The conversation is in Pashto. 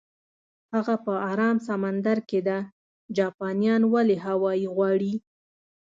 هغه په ارام سمندر کې ده، جاپانیان ولې هاوایي غواړي؟